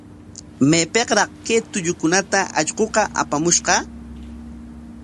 ¿Maypikraq kay tullukunata allquqa apamushqa?